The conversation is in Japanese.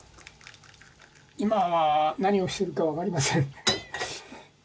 今は何をしてるか分かりません。